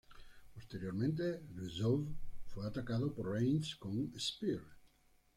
Posteriormente, Rusev fue atacado por Reigns con un "Spear".